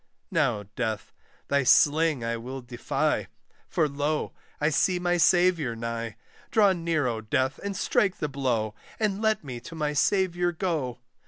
Now, Death, thy sling I will defy! For, lo, I see my Saviour nigh Draw near, O Death, and strike the blow, And let me to my Saviour go.